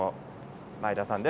前田さんです。